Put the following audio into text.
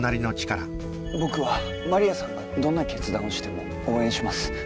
僕はマリアさんがどんな決断をしても応援します。